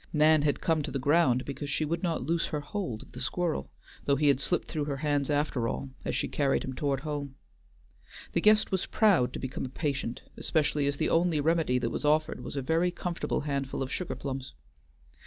Nan had come to the ground because she would not loose her hold of the squirrel, though he had slipped through her hands after all as she carried him towards home. The guest was proud to become a patient, especially as the only remedy that was offered was a very comfortable handful of sugar plums.